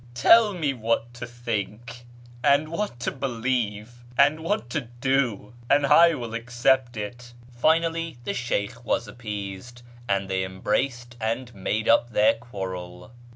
Tell me what to think, and what to believe, and what to do, and I will accept it." Finally the Sheykh was appeased, and they embraced and made up their quarrel.